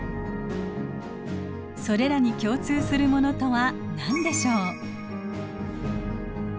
それらに共通するものとは何でしょう？